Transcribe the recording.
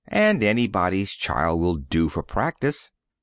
And anybody's child will do for practice.